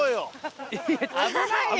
危ないよ。